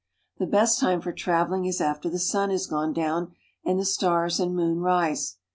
The best time for traveling is after the sun has gone wn and the stars and moon rise.